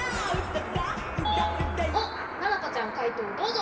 おっななこちゃんかいとうをどうぞ！